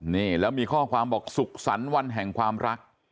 นี่แล้วมีข้อความบอกสุขสรรค์วันแห่งความรัก